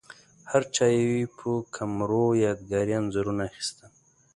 هرچا یې په کمرو یادګاري انځورونه اخیستل.